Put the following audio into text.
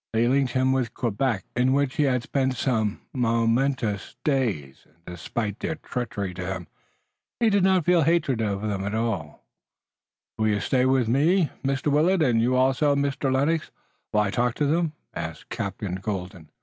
They linked him with Quebec, in which he had spent some momentous days, and despite their treachery to him he did not feel hatred of them at that moment. "Will you stay with me, Mr. Willet, and you also, Mr. Lennox, while I talk to them?" asked Captain Colden.